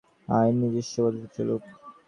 আইন নিজস্ব গতিতে চলুক।